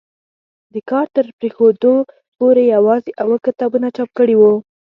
د کار تر پرېښودو پورې یوازې اووه کتابونه چاپ کړي وو.